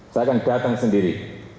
saya akan datang sendiri